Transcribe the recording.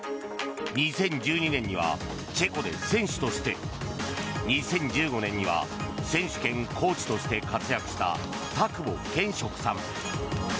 ２０１２年にはチェコで選手として２０１５年には選手兼コーチとして活躍した田久保賢植さん。